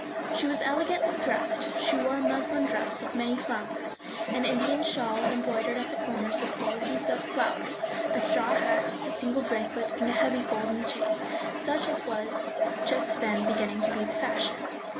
She was elegantly dressed; she wore a muslin dress with many flounces, an Indian shawl embroidered at the corners with gold and silk flowers, a straw hat, a single bracelet, and a heavy gold chain, such as was just then beginning to be the fashion.